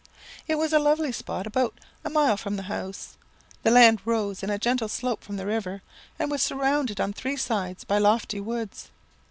"It was a lovely spot, about a mile from the house. The land rose in a gentle slope from the river, and was surrounded on three sides by lofty woods.